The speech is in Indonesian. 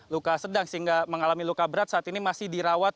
luka sedang sehingga mengalami luka berat saat ini masih dirawat